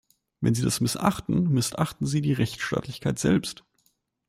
Wenn Sie das missachten, missachten Sie die Rechtsstaatlichkeit selbst.